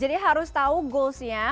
jadi harus tahu goalsnya